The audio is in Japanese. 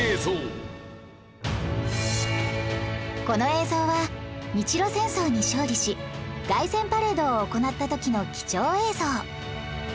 この映像は日露戦争に勝利し凱旋パレードを行った時の貴重映像